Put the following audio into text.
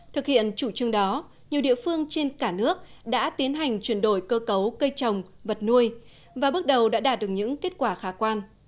thực hiện chủ trương đó nhiều địa phương trên cả nước đã tiến hành chuyển đổi cơ cấu cây trồng vật nuôi và bước đầu đã đạt được những kết quả khả quan